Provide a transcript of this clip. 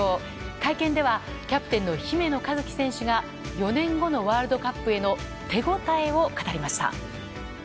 会見ではキャプテンの姫野和樹選手が４年後のワールドカップへの手応えを語りました。